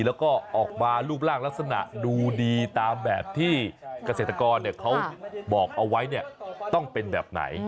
แล้วก็ออกมารูปร่างลักษณะดูดีตามแบบที่เกษตรกรเขาบอกเอาไว้เนี่ยต้องเป็นแบบไหน